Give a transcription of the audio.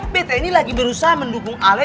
betta ini lagi berusaha mendukung ale